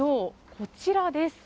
こちらです。